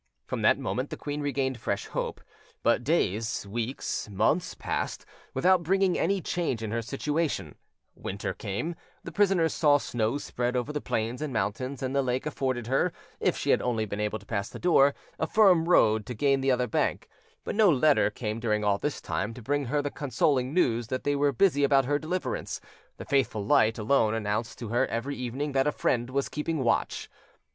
From that moment the queen regained fresh hope; but days, weeks, months passed without bringing any change in her situation: winter came; the prisoner saw snow spread over the plains and mountains, and the lake afforded her, if she had only been able to pass the door, a firm road to gain the other bank; but no letter came during all this time to bring her the consoling news that they were busy about her deliverance; the faithful light alone announced to her every evening that a friend was keeping watch.